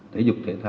thể dục thể thao